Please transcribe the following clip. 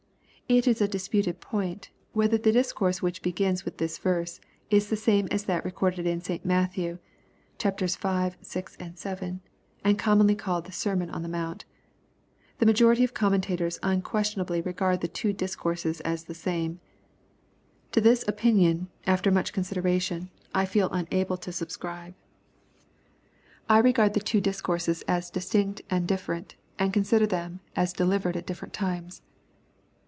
] It is a disputed pointy whether the discourse which begins with this verse, is the same as that pe^jorded in St. Matthew, (chapters v. vi. vii.) and commonly (i^i^d the sermon on the mount. The majority of commentators luaiquesiiQijably regard the two discourses as flie same. To this opinioQ, ^i^f much consideration, I feel unable to subecriba LUKE, CHAP. VI. 181 1 regard the two discourses as distinct and different, and consider them as delivered at different times.